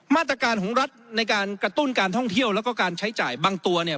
มาตรการของรัฐในการกระตุ้นการท่องเที่ยวแล้วก็การใช้จ่ายบางตัวเนี่ย